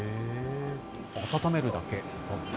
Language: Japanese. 温めるだけ。